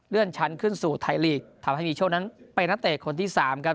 ชั้นขึ้นสู่ไทยลีกทำให้มีโชคนั้นเป็นนักเตะคนที่สามครับ